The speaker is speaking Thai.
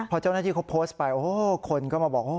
พอเจ้าหน้าที่เขาโพสต์ไปโอ้โหคนก็มาบอกว่า